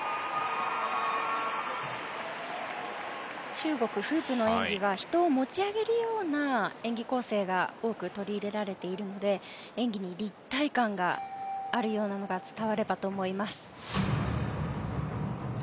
中国、フープの演技は人を持ち上げるような演技構成が多く取り入れられているので演技に立体感があるようなのが伝わればと思います。